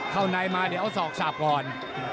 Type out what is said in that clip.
เข้าในมาเดี๋ยวเอาศอกสาบก่อน